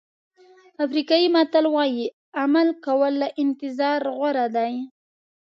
افریقایي متل وایي عمل کول له انتظار غوره دي.